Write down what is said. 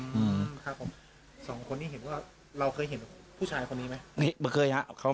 หนึ่งสองคนนี่เห็นว่าเราเคยเห็นผู้ชายกับคนนี้ไหม